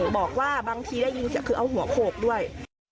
บางทีได้ยินว่าคือเอาหัวโขกด้วย